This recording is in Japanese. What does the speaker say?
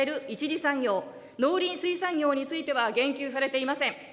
１次産業、農林水産業については言及されていません。